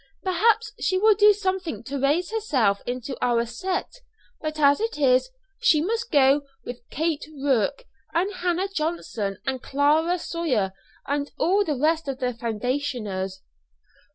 Perhaps she will do something to raise herself into our set; but as it is, she must go with Kate Rourke and Hannah Johnson and Clara Sawyer, and all the rest of the foundationers."